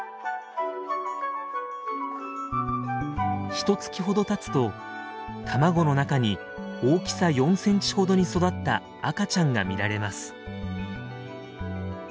ひと月ほどたつと卵の中に大きさ４センチほどに育った赤ちゃんが見られます。